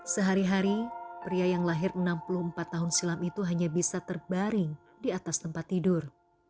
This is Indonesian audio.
sehari hari pria yang lahir enam puluh empat tahun silam itu hanya bisa terbaring di atas tempat tidur